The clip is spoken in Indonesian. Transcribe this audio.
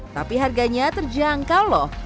tapi harganya terjangkau loh